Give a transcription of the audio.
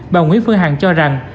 bà nguyễn phương hằng cho rằng